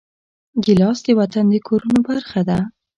ګیلاس د وطن د کورونو برخه ده.